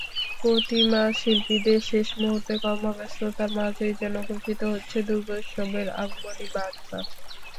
প্রতিমাশিল্পীদের শেষ মুহূর্তের কর্মব্যস্ততার মাঝেই যেন ঘোষিত হচ্ছে দুর্গোৎসবের আগমনী বার্তা।